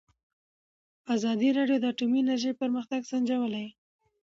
ازادي راډیو د اټومي انرژي پرمختګ سنجولی.